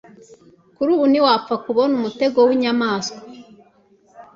Kuri ubu ntiwapfa kubona umutego w'inyamaswa.